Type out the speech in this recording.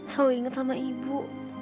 selalu ingat sama ibu